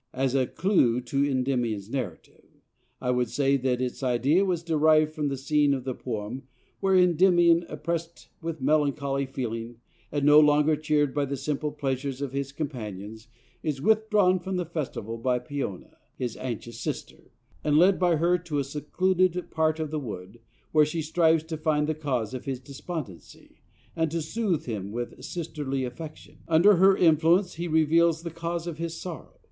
As a clew to 'Endymion's Narrative,' I would say that its idea was derived from the scene in the poem where Endymion, oppressed with melancholy feeling, and no longer cheered by the simple pleasures of his companions, is withdrawn from the Festival by Peona, his anxious sister, and led by her to a secluded part of the wood, where she strives to find the cause of his despondency and to soothe him with sisterly affection. Under her influence he reveals the cause of his sorrow.